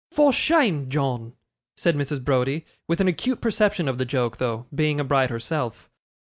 'For shame, John,' said Mrs. Browdie; with an acute perception of the joke though, being a bride herself.